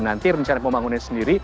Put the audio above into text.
nanti rencana pembangunan sendiri